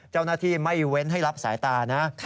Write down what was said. เจ้าหน้าที่ไม่เว้นให้รับสายตานะ